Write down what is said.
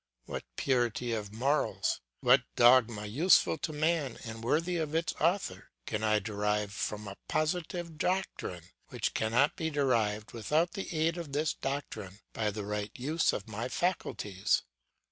What purity of morals, what dogma useful to man and worthy of its author, can I derive from a positive doctrine which cannot be derived without the aid of this doctrine by the right use of my faculties?